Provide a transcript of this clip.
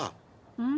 うん？